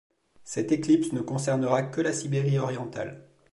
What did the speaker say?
Cette éclipse ne concernera que la Sibérie orientale.